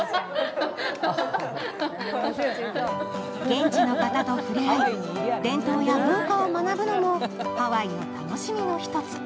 現地の方と触れ合い、伝統や文化を学ぶのもハワイの楽しみの１つ。